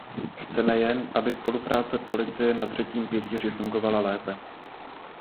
Chceme jen, aby spolupráce policie na třetím pilíři fungovala lépe.